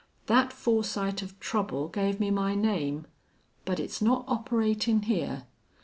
That foresight of trouble gave me my name.... But it's not operatin' here....